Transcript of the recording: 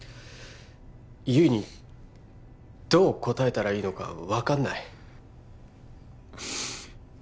悠依にどう答えたらいいのかわかんない